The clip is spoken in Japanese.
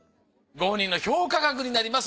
ご本人の評価額になります。